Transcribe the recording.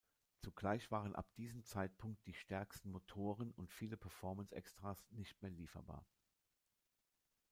Zugleich waren ab diesem Zeitpunkt die stärksten Motoren und viele Performance-Extras nicht mehr lieferbar.